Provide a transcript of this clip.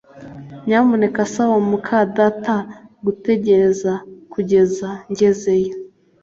Nyamuneka saba muka data gutegereza kugeza ngezeyo